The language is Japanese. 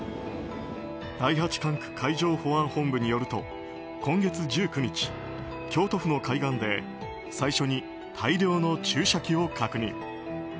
第八管区海上保安本部によると今月１９日京都府の海岸で最初に大量の注射器を確認。